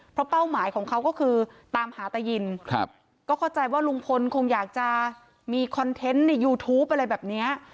เพราะเป้าหมายของเขาก็คือตามหาตายินครับก็เข้าใจว่าลุงพลคงอยากจะมีคอนเทนต์ในยูทูปอะไรแบบเนี้ย